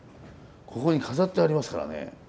ここに飾ってありますからね。